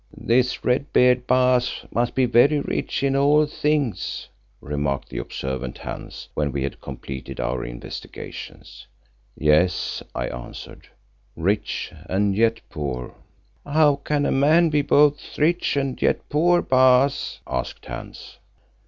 "This red bearded Baas must be very rich in all things," remarked the observant Hans when we had completed our investigations. "Yes," I answered, "rich and yet poor." "How can a man be both rich and yet poor, Baas?" asked Hans.